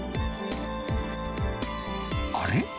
あれ？